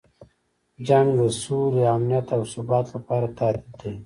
جنګ د سولې، امنیت او ثبات لپاره تهدید دی.